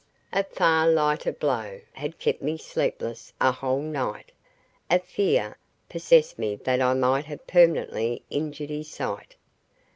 A far lighter blow had kept me sleepless a whole night. A fear possessed me that I might have permanently injured his sight.